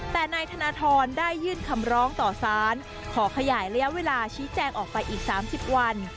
แต่นายธนทรได้ยื่นคำร้องต่อสารขอขยายระยะเวลาชี้แจงออกไปอีก๓๐วัน